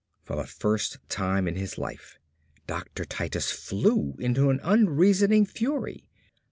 For the first time in his life Dr. Titus flew into an unreasoning fury.